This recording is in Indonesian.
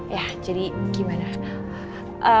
ya jadi gimana